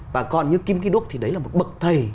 và còn như kim ki duk thì đấy là một bậc thầy